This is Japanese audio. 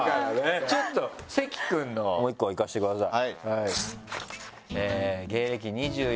ちょっと関くんのもう１個いかせてください。